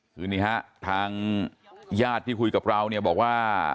คือนี่ฮะทางญาติที่คุยกับเราเนี่ยบอกว่า